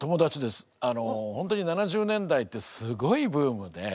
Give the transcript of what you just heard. あの本当に７０年代ってすごいブームで。